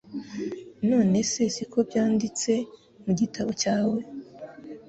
None se si ko byanditse mu gitabo cyawe?